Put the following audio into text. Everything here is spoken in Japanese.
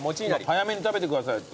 早めに食べてくださいだって。